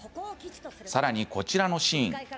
さらに、こちらのシーン。